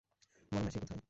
বলো না, সে কোথায়!